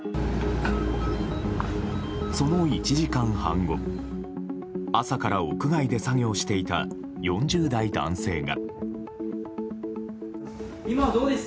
その１時間半後、朝から屋外で作業していた４０代男性が。